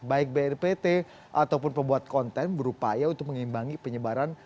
baik bnpt ataupun pembuat konten berupaya untuk mengimbangi penyebaran